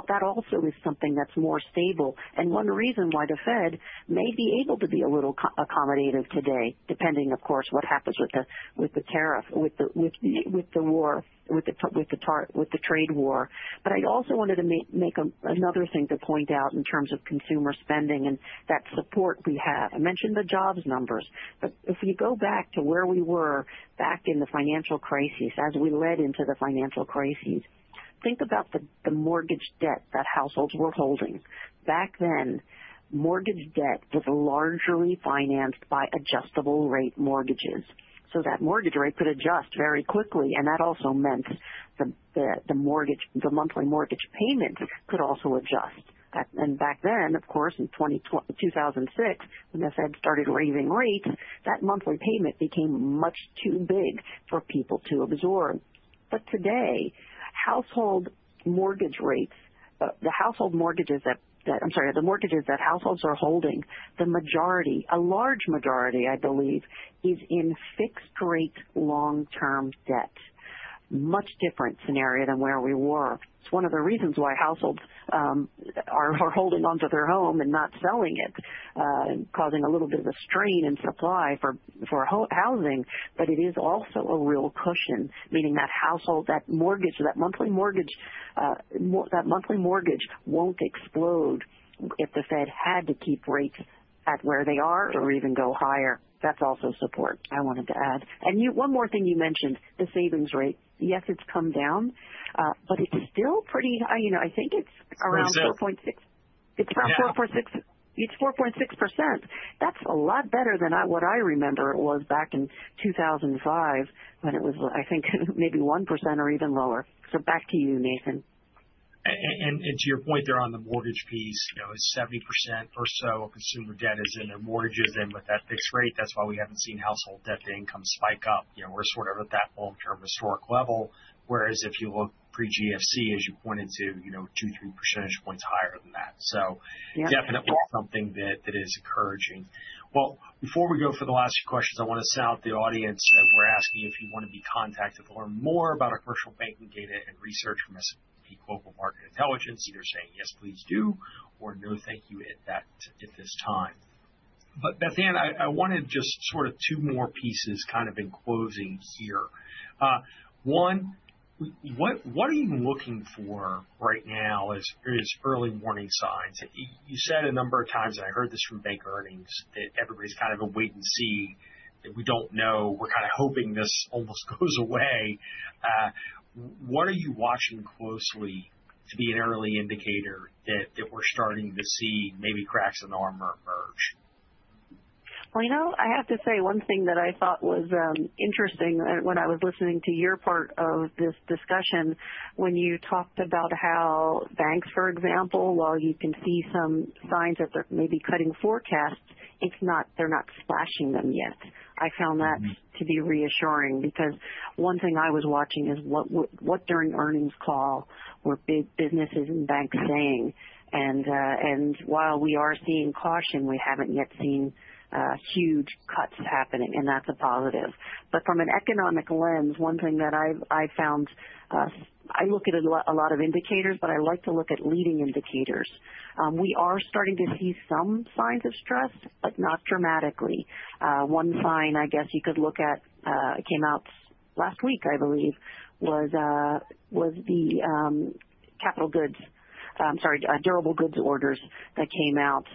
That also is something that's more stable. And one reason why the Fed may be able to be a little accommodative today, depending, of course, what happens with the tariff, with the war, with the trade war. But I also wanted to make another thing to point out in terms of consumer spending and that support we have. I mentioned the jobs numbers, but if we go back to where we were back in the financial crisis as we led into the financial crisis, think about the mortgage debt that households were holding. Back then, mortgage debt was largely financed by adjustable rate mortgages. So that mortgage rate could adjust very quickly, and that also meant the monthly mortgage payments could also adjust. And back then, of course, in 2006, when the Fed started raising rates, that monthly payment became much too big for people to absorb. But today, household mortgage rates, the household mortgages that, I'm sorry, the mortgages that households are holding, the majority, a large majority, I believe, is in fixed-rate long-term debt. Much different scenario than where we were. It's one of the reasons why households are holding on to their home and not selling it, causing a little bit of a strain in supply for housing, but it is also a real cushion, meaning that household, that mortgage, that monthly mortgage, that monthly mortgage won't explode if the Fed had to keep rates at where they are or even go higher. That's also support I wanted to add, and one more thing you mentioned, the savings rate. Yes, it's come down, but it's still pretty high. I think it's around 4.6%. It's 4.6%. That's a lot better than what I remember it was back in 2005 when it was, I think, maybe 1% or even lower, so back to you, Nathan. And to your point there on the mortgage piece, 70% or so of consumer debt is in their mortgages and with that fixed rate, that's why we haven't seen household debt to income spike up. We're sort of at that long-term historic level, whereas if you look pre-GFC, as you pointed to, 2-3 percentage points higher than that. So definitely something that is encouraging. Well, before we go for the last few questions, I want to sound out the audience that we're asking if you want to be contacted to learn more about our commercial banking data and research from S&P Global Market Intelligence, either saying yes, please do, or no, thank you at this time. But Beth Ann, I wanted just sort of two more pieces kind of in closing here. One, what are you looking for right now as early warning signs? You said a number of times, and I heard this from bank earnings, that everybody's kind of a wait and see. We don't know. We're kind of hoping this almost goes away. What are you watching closely to be an early indicator that we're starting to see maybe cracks in the armor emerge? Well, you know, I have to say one thing that I thought was interesting when I was listening to your part of this discussion when you talked about how banks, for example, while you can see some signs that they're maybe cutting forecasts, they're not slashing them yet. I found that to be reassuring because one thing I was watching is what during earnings call were big businesses and banks saying. And while we are seeing caution, we haven't yet seen huge cuts happening, and that's a positive. But from an economic lens, one thing that I found, I look at a lot of indicators, but I like to look at leading indicators. We are starting to see some signs of stress, but not dramatically. One sign, I guess you could look at, it came out last week, I believe, was the capital goods, sorry, durable goods orders that came out.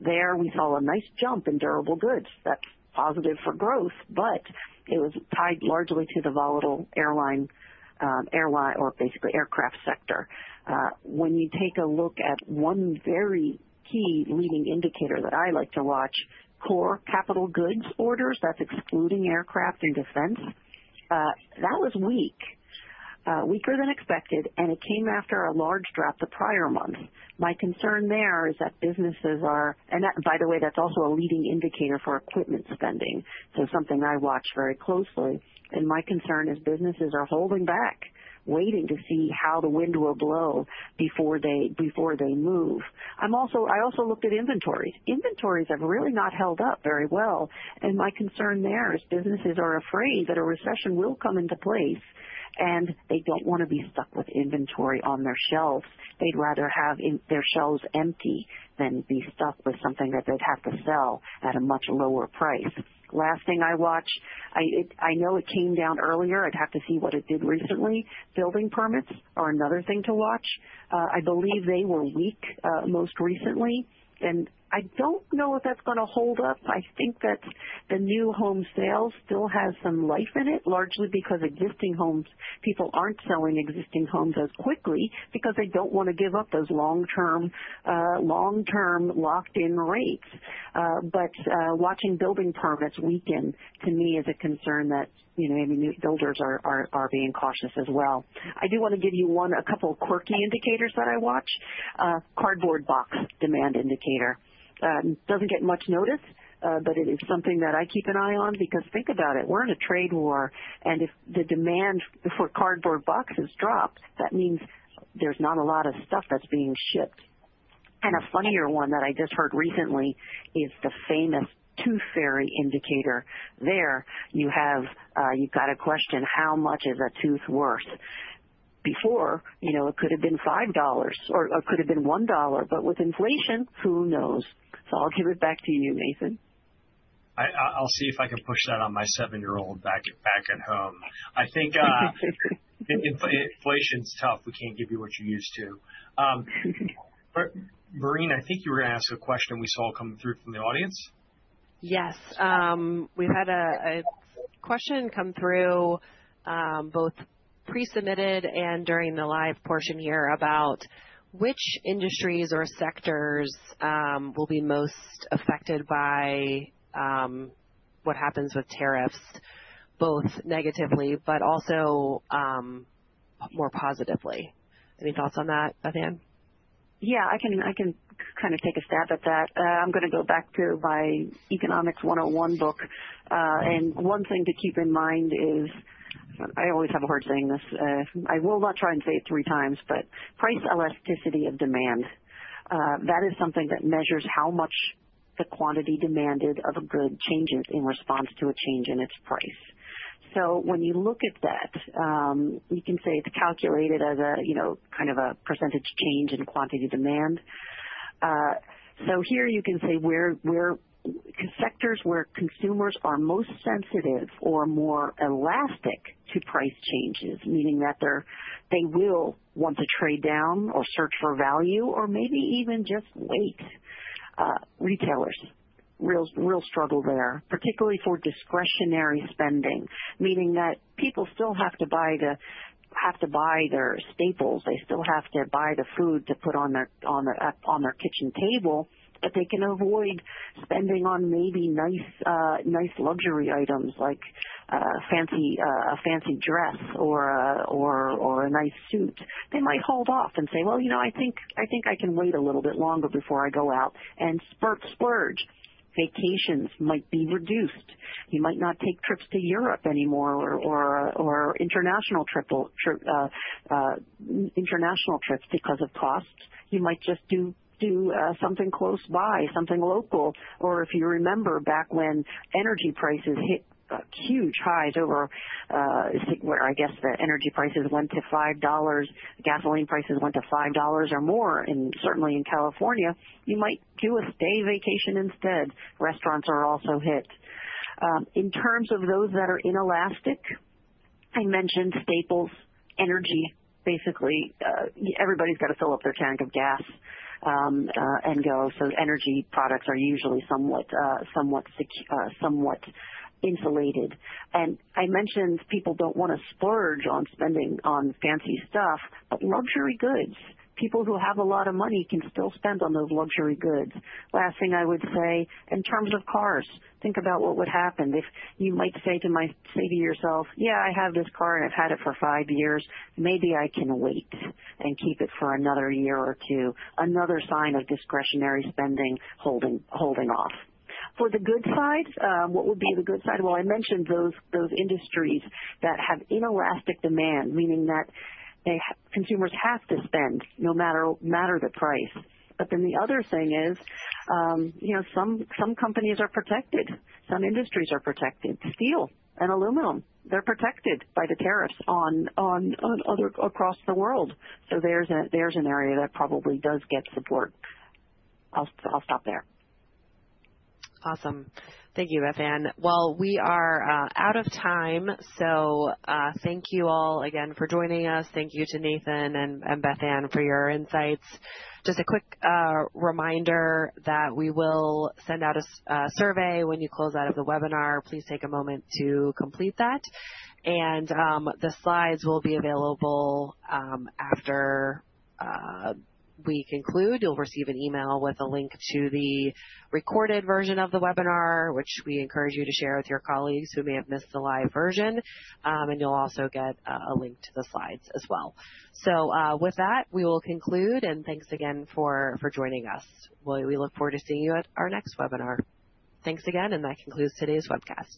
There we saw a nice jump in durable goods. That's positive for growth, but it was tied largely to the volatile airline or basically aircraft sector. When you take a look at one very key leading indicator that I like to watch, core capital goods orders, that's excluding aircraft and defense, that was weak, weaker than expected, and it came after a large drop the prior month. My concern there is that businesses are, and by the way, that's also a leading indicator for equipment spending, so something I watch very closely. And my concern is businesses are holding back, waiting to see how the wind will blow before they move. I also looked at inventories. Inventories have really not held up very well. And my concern there is businesses are afraid that a recession will come into place, and they don't want to be stuck with inventory on their shelves. They'd rather have their shelves empty than be stuck with something that they'd have to sell at a much lower price. Last thing I watched, I know it came down earlier. I'd have to see what it did recently. Building permits are another thing to watch. I believe they were weak most recently. And I don't know if that's going to hold up. I think that the new home sales still has some life in it, largely because people aren't selling existing homes as quickly because they don't want to give up those long-term locked-in rates. But watching building permits weaken, to me, is a concern that maybe builders are being cautious as well. I do want to give you a couple of quirky indicators that I watch. Cardboard Box Demand Indicator. Doesn't get much notice, but it is something that I keep an eye on because think about it, we're in a trade war, and if the demand for cardboard boxes drops, that means there's not a lot of stuff that's being shipped. And a funnier one that I just heard recently is the famous Tooth Fairy Indicator. There you've got a question, how much is a tooth worth? Before, it could have been $5 or it could have been $1, but with inflation, who knows? So I'll give it back to you, Nathan. I'll see if I can push that on my seven-year-old back at home. I think inflation's tough. We can't give you what you're used to. Maureen, I think you were going to ask a question we saw come through from the audience. Yes. We've had a question come through both pre-submitted and during the live portion here about which industries or sectors will be most affected by what happens with tariffs, both negatively but also more positively. Any thoughts on that, Beth Ann? Yeah, I can kind of take a stab at that. I'm going to go back to my Economics 101 book. One thing to keep in mind is I always have a hard saying this. I will not try and say it three times, but price elasticity of demand. That is something that measures how much the quantity demanded of a good changes in response to a change in its price. So when you look at that, you can say it's calculated as kind of a percentage change in quantity demand. So here you can say sectors where consumers are most sensitive or more elastic to price changes, meaning that they will want to trade down or search for value or maybe even just wait. Retailers really struggle there, particularly for discretionary spending, meaning that people still have to buy their staples. They still have to buy the food to put on their kitchen table, but they can avoid spending on maybe nice luxury items like a fancy dress or a nice suit. They might hold off and say, "Well, you know, I think I can wait a little bit longer before I go out, and sort of splurge." Vacations might be reduced. You might not take trips to Europe anymore or international trips because of costs. You might just do something close by, something local, or if you remember back when energy prices hit huge highs over, I guess the energy prices went to $5, gasoline prices went to $5 or more, and certainly in California, you might do a staycation instead. Restaurants are also hit. In terms of those that are inelastic, I mentioned staples, energy. Basically, everybody's got to fill up their tank of gas and go, so energy products are usually somewhat insulated, and I mentioned people don't want to splurge on spending on fancy stuff, but luxury goods. People who have a lot of money can still spend on those luxury goods. Last thing I would say, in terms of cars, think about what would happen if you might say to yourself, "Yeah, I have this car, and I've had it for five years. Maybe I can wait and keep it for another year or two." Another sign of discretionary spending holding off. For the good side, what would be the good side? Well, I mentioned those industries that have inelastic demand, meaning that consumers have to spend no matter the price. But then the other thing is some companies are protected. Some industries are protected. Steel and aluminum, they're protected by the tariffs across the world. So there's an area that probably does get support. I'll stop there. Awesome. Thank you, Beth Ann. Well, we are out of time, so thank you all again for joining us. Thank you to Nathan and Beth Ann for your insights. Just a quick reminder that we will send out a survey when you close out of the webinar. Please take a moment to complete that, and the slides will be available after we conclude. You'll receive an email with a link to the recorded version of the webinar, which we encourage you to share with your colleagues who may have missed the live version, and you'll also get a link to the slides as well, so with that, we will conclude, and thanks again for joining us. We look forward to seeing you at our next webinar. Thanks again, and that concludes today's webcast.